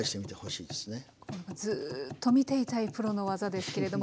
ずっと見ていたいプロの技ですけれども。